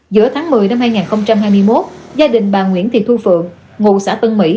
giữa tháng một mươi năm hai nghìn hai mươi một gia đình bà nguyễn thị thu phượng ngụ xã tân mỹ